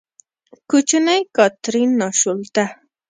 کوچنۍ کاترین، ناشولته!